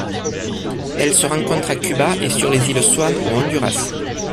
Elle se rencontre à Cuba et sur les îles Swan au Honduras.